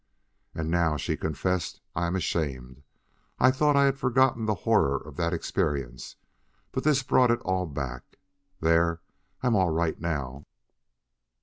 "And now," she confessed, "I am ashamed. I thought I had forgotten the horror of that experience, but this brought it all back.... There! I am all right now."